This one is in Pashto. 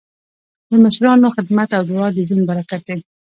د مشرانو خدمت او دعا د ژوند برکت دی.